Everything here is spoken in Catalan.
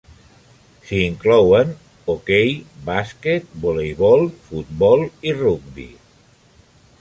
S'hi inclouen: hoquei, bàsquet, voleibol, futbol i rugbi.